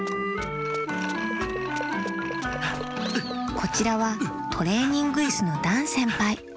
こちらはトレーニングイスのダンせんぱい。